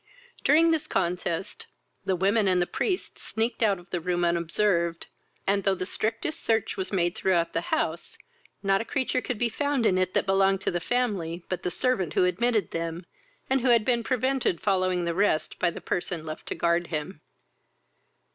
During this contest, the women and the priest sneaked out of the room unobserved, and, though the strictest search was made throughout the house, not a creature could be found in it that belonged to the family, but the servant who admitted them, and who had been prevented following the rest by the person left to guard him.